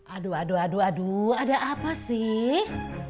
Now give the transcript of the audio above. aduh aduh aduh ada apa sih